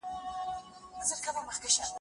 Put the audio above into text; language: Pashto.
په سیند کې اوبه په ډېره چټکۍ سره بهېږي.